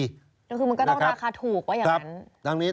ก็คือมันก็ต้องราคาถูกว่าอย่างนั้น